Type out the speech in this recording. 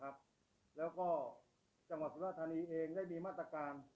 และจังหวัดสุราธารณีย์เองได้มีมาตรการ